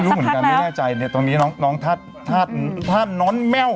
ลุงเหมือนกันไม่แน่ใจตรงนี้ทาสน้อนแมว